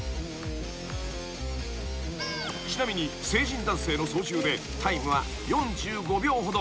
［ちなみに成人男性の操縦でタイムは４５秒ほど］